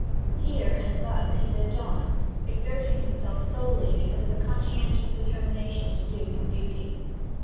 Here and thus he lived on, exerting himself solely because of a conscientious determination to do his duty.